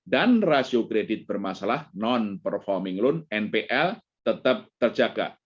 dan rasio kredit bermasalah non performing loan npl tetap terjaga